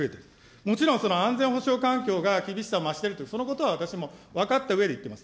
もちろんその安全保障環境が厳しさを増している、そのことは私も分かったうえで言っています。